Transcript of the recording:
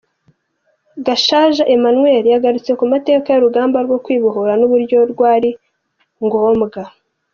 Gashaija Emmanuel, yagarutse ku mateka y’urugamba rwo kwibohora n’uburyo rwari ngombwa.